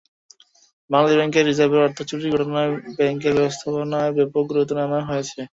বাংলাদেশ ব্যাংকের রিজার্ভের অর্থ চুরির ঘটনায় ব্যাংকের ব্যবস্থাপনায় ব্যাপক পরিবর্তন আনা হয়েছে।